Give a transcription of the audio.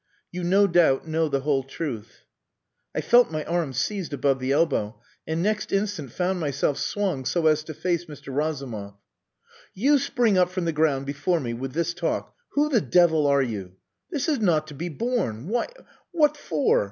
You no doubt know the whole truth...." I felt my arm seized above the elbow, and next instant found myself swung so as to face Mr. Razumov. "You spring up from the ground before me with this talk. Who the devil are you? This is not to be borne! Why! What for?